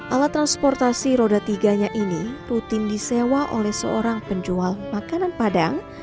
alat transportasi roda tiga nya ini rutin disewa oleh seorang penjual makanan padang